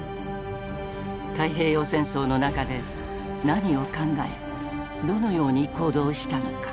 太平洋戦争の中で何を考えどのように行動したのか。